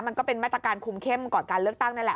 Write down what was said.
มันก็เป็นมาตรการคุมเข้มก่อนการเลือกตั้งนั่นแหละ